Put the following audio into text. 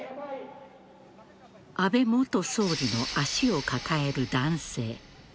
安倍元総理の足を抱える男性。